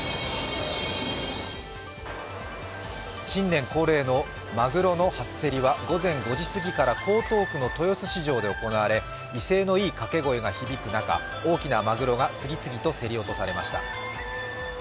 新年恒例のマグロの初競りは午前５時すぎから江東区の豊洲市場で行われ、威勢のいいかけ声が響く中、大きなマグロが次々と競り落とされました。